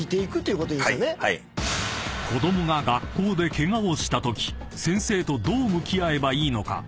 ［子供が学校でケガをしたとき先生とどう向き合えばいいのか］